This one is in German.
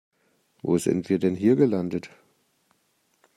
Wo sind wir denn hier gelandet?